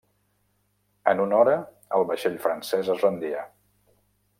En una hora, el vaixell francès es rendia.